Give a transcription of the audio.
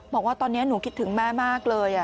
บอกว่าตอนนี้หนูคิดถึงแม่มากเลย